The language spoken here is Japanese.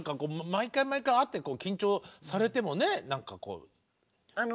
毎回毎回会って緊張されてもね何かこう。